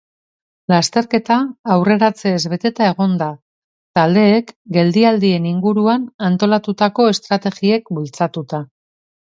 Lasterketa aurreratzez beteta egon da, taldeek geldialdien inguruan antolatutako estrategiek bultzatuta.